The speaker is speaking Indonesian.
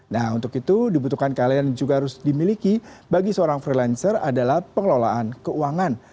nah untuk itu dibutuhkan kalian juga harus dimiliki bagi seorang freelancer adalah pengelolaan keuangan